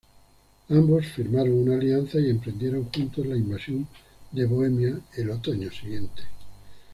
Ambos firmaron una alianza y emprendieron juntos la invasión de Bohemia el otoño siguiente.